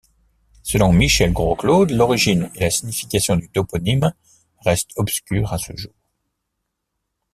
Selon Michel Grosclaude, l’origine et la signification du toponyme restent obscures à ce jour.